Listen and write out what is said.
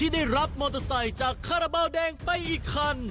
ได้รับมอเตอร์ไซค์จากคาราบาลแดงไปอีกคัน